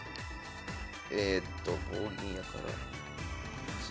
えっと棒銀やから。